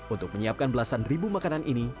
untuk menyiapkan belasan ribu makanan ini